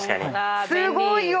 すごいよ。